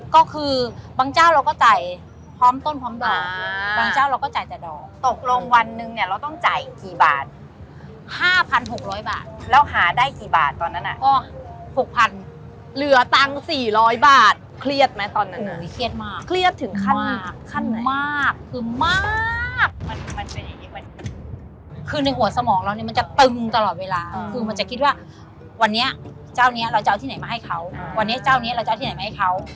ก็คือบางเจ้าเราก็จ่ายพร้อมต้นพร้อมดอกบางเจ้าเราก็จ่ายแต่ดอกตกลงวันหนึ่งเนี้ยเราต้องจ่ายกี่บาทห้าพันหกร้อยบาทแล้วหาได้กี่บาทตอนนั้นน่ะก็หกพันเหลือตังสี่ร้อยบาทเครียดไหมตอนนั้นน่ะอุ้ยเครียดมากเครียดถึงขั้นขั้นมากคือมากมันมันจะอย่างงี้มันคือในหัวสมองเราเนี้ยมันจะตึงตลอดเวล